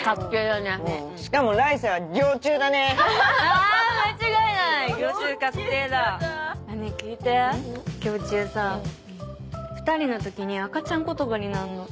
ねぇ聞いてギョウ虫さ２人の時に赤ちゃん言葉になんの。